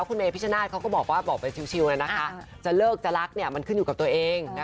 โดนบ่อยมากทุกครั้งที่เลิกกับแฟนเขาก็จะมาแบบนี้